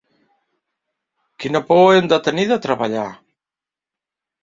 Quina por hem de tenir de treballar?